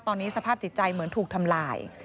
ตอนนี้สภาพจิตใจเหมือนถูกทำลาย